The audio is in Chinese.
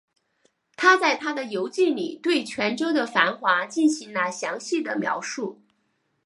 他在他的游记里对泉州的繁华进行了详细的描述。